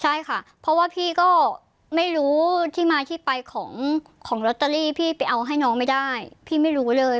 ใช่ค่ะเพราะว่าพี่ก็ไม่รู้ที่มาที่ไปของของลอตเตอรี่พี่ไปเอาให้น้องไม่ได้พี่ไม่รู้เลย